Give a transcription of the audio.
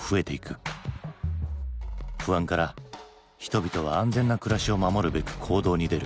不安から人々は安全な暮らしを守るべく行動に出る。